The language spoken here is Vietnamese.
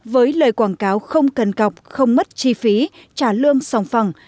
với lời quảng cáo không cần cọc không mất chi phí trả lương song phẳng